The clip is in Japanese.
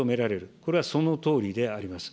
これはそのとおりであります。